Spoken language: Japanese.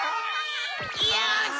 よし！